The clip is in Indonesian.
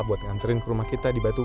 buat ngantrin ke rumah kita di batuba